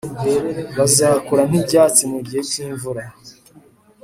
bazakura nk’ibyatsi mu gihe cy’imvura,